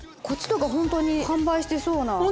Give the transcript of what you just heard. こっちとかホントに販売してそうな。